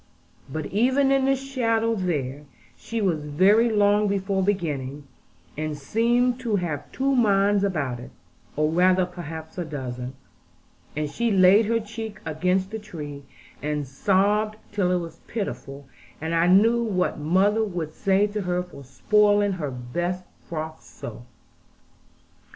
But even in the shadow there, she was very long before beginning, and seemed to have two minds about it, or rather perhaps a dozen; and she laid her cheek against the tree, and sobbed till it was pitiful; and I knew what mother would say to her for spoiling her best frock so.